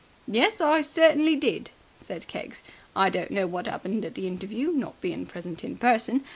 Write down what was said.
"Yes, I certainly did!" said Keggs. "I don't know what 'appened at the interview not being present in person.